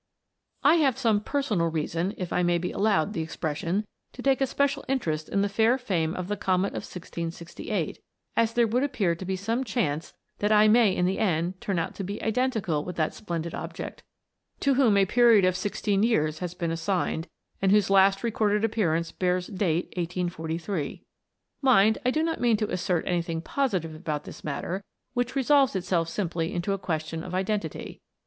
I have some personal reason, if I may be allowed the expression, to take a special interest in the fair fame of the Comet of 1668, as there would appear to be some chance that I may in the end turn out to be identical with that splendid object, to whom a period of 16 years has been assigned, and whose last recorded appearance bears date 1843. Mind, I do not mean to assei't anything positive about this matter, which resolves itself simply into a question of identity.